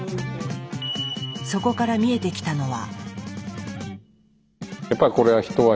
そこから見えてきたのは。